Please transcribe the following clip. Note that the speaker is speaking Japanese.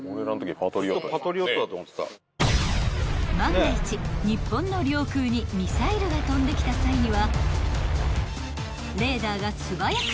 ［万が一日本の領空にミサイルが飛んできた際には］